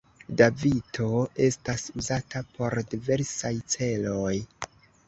Davito estas uzata por diversaj celoj.